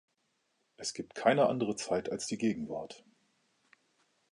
Es gibt keine andere Zeit als die Gegenwart.